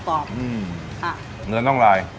อือเนื้อน้องลาย